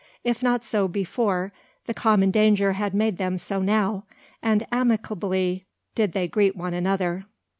If not so before, the common danger had made them so now, and amicably did they greet one another.